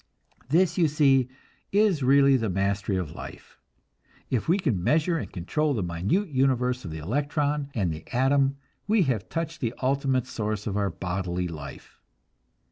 This, you see, is really the mastery of life. If we can measure and control the minute universe of the electron and the atom, we have touched the ultimate source of our bodily life.